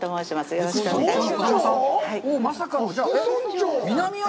よろしくお願いします。